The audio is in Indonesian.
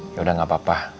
yaudah gak apa apa